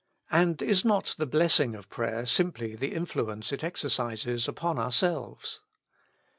And is not the blessing of prayer simply the influence it exercises upon ourselves